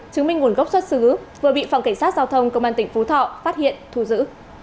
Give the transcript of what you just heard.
chứng minh nguồn gốc xuất xứ vừa bị phòng cảnh sát giao thông công an tỉnh phú thọ phát hiện thu giữ